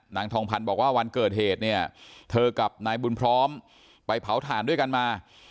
นางทองพันธ์บอกว่าวันเกิดเหตุเนี่ยเธอกับนายบุญพร้อมไปเผาถ่านด้วยกันมา